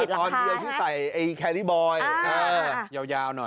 ตอนนี้เราชึ้นใส่แขลรี่บอยยาวหน่อย